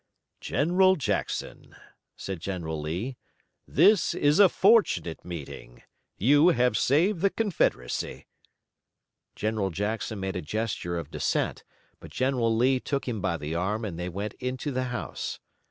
"General Jackson," said General Lee, "this is a fortunate meeting. You have saved the Confederacy." General Jackson made a gesture of dissent, but General Lee took him by the arm and they went into the house.